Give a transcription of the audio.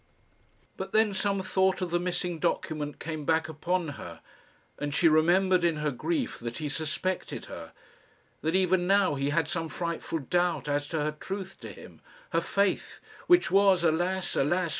But then some thought of the missing document came back upon her, and she remembered in her grief that he suspected her that even now he had some frightful doubt as to her truth to him her faith, which was, alas, alas!